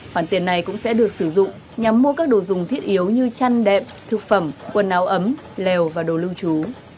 khoản tiền này cũng sẽ được sử dụng nhằm mua các đồ dùng thiết yếu như chăn đệm thực phẩm quần áo ấm lèo và đồ lưu trú